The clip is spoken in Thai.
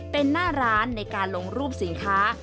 เป็นหน้าร้านในการลงรูปสินค้า